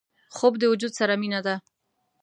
خوب د وجود سره مینه ده